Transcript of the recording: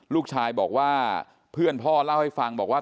ลูกชายบอกว่าเพื่อนพ่อเล่าให้ฟังบอกว่า